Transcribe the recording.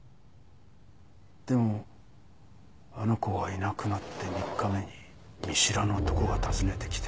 でもあの子がいなくなって３日目に見知らぬ男が訪ねてきて。